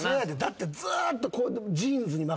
だってずーっと。